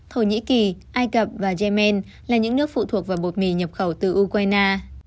thổ nhĩ kỳ ai cập và yemen là những nước phụ thuộc vào bột mì nhập khẩu từ ukraine